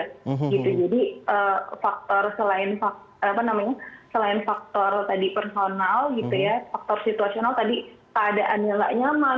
jadi faktor selain faktor personal faktor situasional tadi keadaannya tidak nyaman